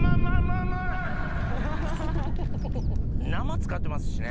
生使ってますしね。